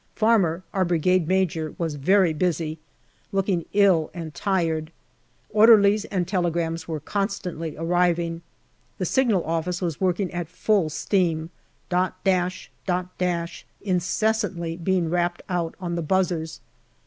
Farmer, our Brigade Major, was very busy, looking ill and tired. Orderlies and telegrams were constantly arriving. The Signal Office was working at full steam dot dash, dot dash, incessantly being rapped out on the buzzers.